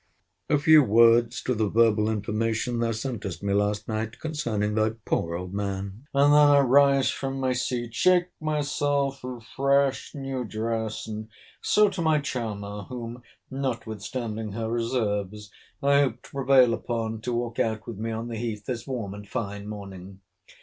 A few words to the verbal information thou sentest me last night concerning thy poor old man; and then I rise from my seat, shake myself, refresh, new dress, and so to my charmer, whom, notwithstanding her reserves, I hope to prevail upon to walk out with me on the Heath this warm and fine morning.